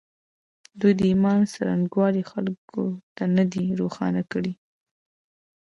دوی د ایمان څرنګوالی خلکو ته نه دی روښانه کړی